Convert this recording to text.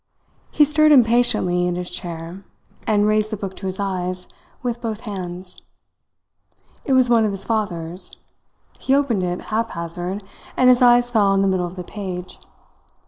He stirred impatiently in his chair, and raised the book to his eyes with both hands. It was one of his father's. He opened it haphazard, and his eyes fell on the middle of the page.